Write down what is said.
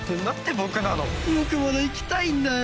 僕まだ生きたいんだよ。